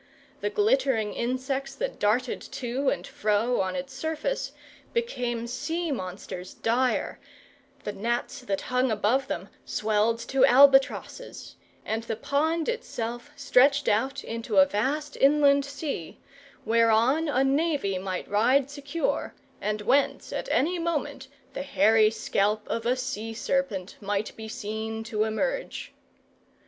The glittering insects that darted to and fro on its surface became sea monsters dire, the gnats that hung above them swelled to albatrosses, and the pond itself stretched out into a vast inland sea, whereon a navy might ride secure, and whence at any moment the hairy scalp of a sea serpent might be seen to emerge.